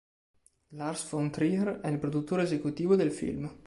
Lars von Trier è il produttore esecutivo del film.